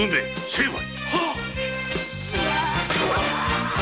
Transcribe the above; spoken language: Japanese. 成敗‼